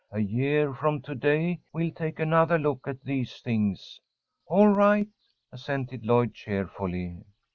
A year from to day we'll take another look at these things." "All right," assented Lloyd, cheerfully.